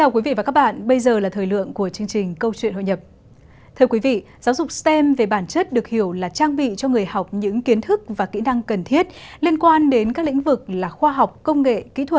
các bạn hãy đăng ký kênh để ủng hộ kênh của chúng mình nhé